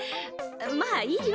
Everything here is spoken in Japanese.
まあいいわ。